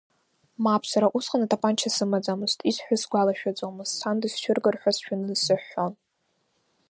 Мап, сара усҟан атапанча сымаӡамызт, исҳәоз сгәалашәаӡом, сан дысцәыргар ҳәа сшәаны сыҳәҳәон.